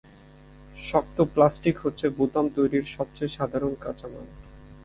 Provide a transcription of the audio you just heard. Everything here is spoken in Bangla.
শক্ত প্লাস্টিক হচ্ছে বোতাম তৈরির সবচেয়ে সাধারণ কাঁচামাল।